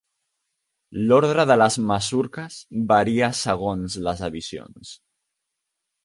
L'ordre de les masurques varia segons les edicions.